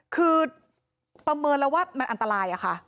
คือประเมินแล้วว่ามันอันตรายอะค่ะ